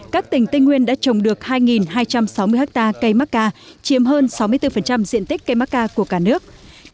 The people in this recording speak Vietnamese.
các tỉnh tây nguyên đã trồng được hai hai trăm sáu mươi ha cây mắc ca chiếm hơn sáu mươi bốn diện tích cây macca của cả nước